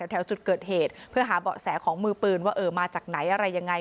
แถวจุดเกิดเหตุเพื่อหาเบาะแสของมือปืนว่าเออมาจากไหนอะไรยังไง